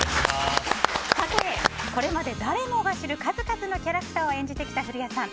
これまで誰もが知る数々のキャラクターを演じてきた古谷さん。